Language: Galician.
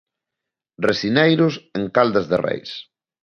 Resineiros en Caldas de Reis.